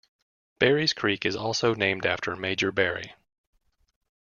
Berrys Creek is also named after Major Berry.